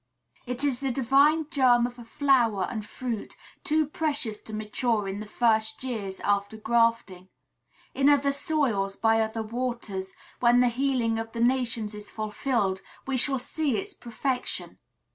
It is the divine germ of a flower and fruit too precious to mature in the first years after grafting; in other soils, by other waters, when the healing of the nations is fulfilled, we shall see its perfection.